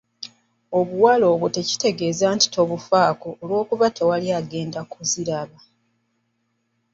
Obuwale obwo tekitegeeza nti tobufaako olw'okuba tewali agenda kuziraba.